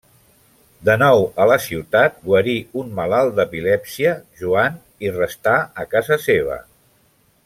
De nou a la ciutat, guarí un malalt d'epilèpsia, Joan, i restà a casa seva.